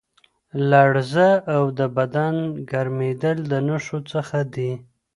لړزه او د بدن ګرمېدل د نښو څخه دي.